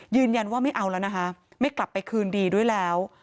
ยืนยันว่าไม่เอาแล้วนะคะไม่กลับไปคืนดีด้วยแล้ว